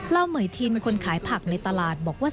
เหมือยทินคนขายผักในตลาดบอกว่า